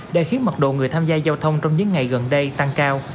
đã khiến mặt độ người tham gia giao thông trong những ngày gần đây tăng cao